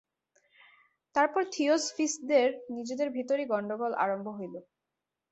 তারপর থিওজফিস্টদের নিজেদের ভিতরই গণ্ডগোল আরম্ভ হইল।